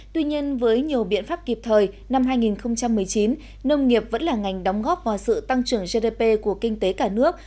tuy nhiên với nhiều biện pháp kịp thời năm hai nghìn một mươi chín nông nghiệp vẫn là ngành đóng góp vào sự tăng trưởng gdp của kinh tế cả nước